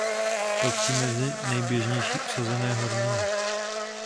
Patří mezi nejběžnější usazené horniny.